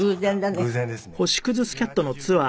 偶然ですね。